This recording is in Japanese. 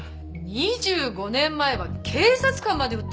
２５年前は警察官まで撃った男よ